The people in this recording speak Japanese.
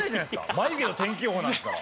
マユ毛と天気予報なんですから。